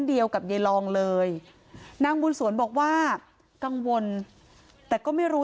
เดียวกับยายลองเลยนางบุญสวนบอกว่ากังวลแต่ก็ไม่รู้